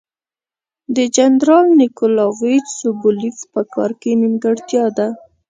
د جنرال نیکولایویچ سوبولیف په کار کې نیمګړتیا ده.